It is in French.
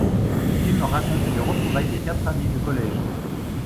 Le film raconte les retrouvailles de quatre amis de collège.